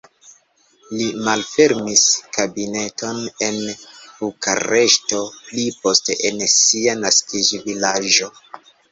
Li malfermis kabineton en Bukareŝto, pli poste en sia naskiĝvilaĝo.